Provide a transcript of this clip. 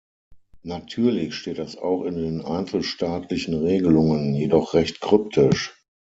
Natürlich steht das auch in den einzelstaatlichen Regelungen, jedoch recht kryptisch.